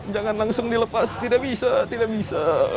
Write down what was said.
jangan langsung dilepas tidak bisa tidak bisa